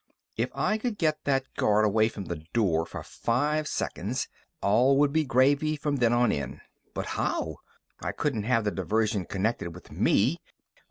If I could get that guard away from that door for five seconds, all would be gravy from then on in. But how? I couldn't have the diversion connected with me.